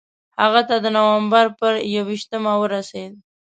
هغه ته د نومبر پر یوویشتمه ورسېد.